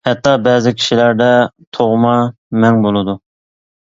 ھەتتا بەزى كىشىلەردە تۇغما مەڭ بولىدۇ.